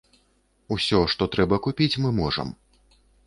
Усё, што трэба купіць, мы можам.